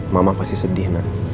mama pasti sedih nak